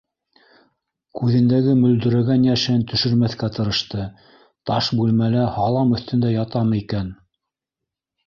Күҙендәге мөлдөрәгән йәшен төшөрмәҫкә тырышты: — Таш бүлмәлә һалам өҫтөндә ятамы икән?